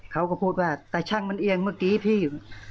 เขาก็พูดว่าแต่ช่างมันเอียงเมื่อกี้พี่